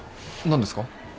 何ですか？